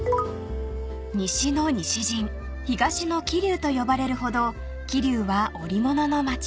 ［西の西陣東の桐生と呼ばれるほど桐生は織物の町］